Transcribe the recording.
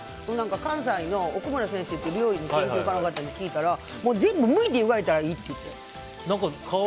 関西のオクムラ先生っていう料理の研究家の方に聞いたら全部むいて湯がいたらいいって。